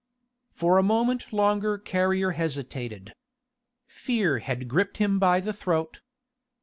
For a moment longer Carrier hesitated. Fear had gripped him by the throat.